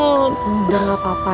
udah gak apa apa